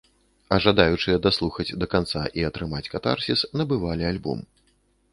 А жадаючыя даслухаць да канца і атрымаць катарсіс набывалі альбом.